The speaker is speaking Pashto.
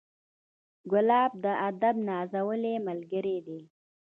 ګلاب د ادب نازولی ملګری دی.